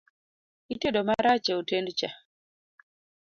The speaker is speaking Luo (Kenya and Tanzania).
Itedo marach e hotend cha